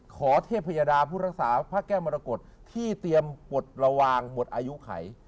เทพยดาผู้รักษาพระแก้วมรกฏที่เตรียมปลดระวางหมดอายุไข